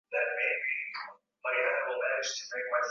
kuathiriwa Kwa kawaida vijana wengi wanaobalehe hudhani